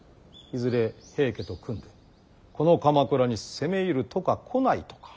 いずれ平家と組んでこの鎌倉に攻め入るとか来ないとか。